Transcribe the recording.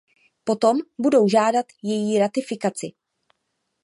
Potom budou žádat její ratifikaci.